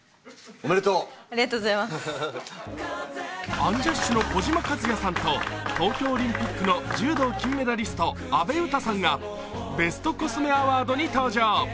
アンジャッシュの児嶋一哉さんと東京オリンピックの柔道金メダリスト・阿部詩さんがベストコスメアワードに登場。